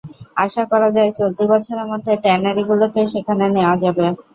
আশা করা যায় চলতি বছরের মধ্যে ট্যানারিগুলোকে সেখানে নেওয়া যাবে।